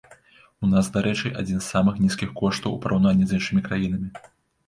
У нас, дарэчы, адзін з самых нізкіх коштаў у параўнанні з іншымі краінамі!